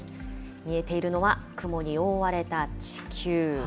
見えているのは雲に覆われている地球。